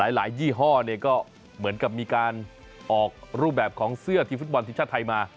ยี่ห้อเนี่ยก็เหมือนกับมีการออกรูปแบบของเสื้อทีมฟุตบอลทีมชาติไทยมา